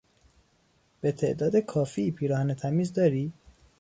به تعداد کافی پیراهن تمیز داری؟